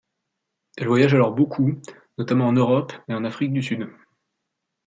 Elle voyage alors beaucoup, notamment en Europe et en Afrique du Sud.